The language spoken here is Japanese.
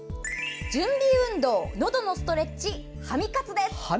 準備運動のどのストレッチ、ハミ活です。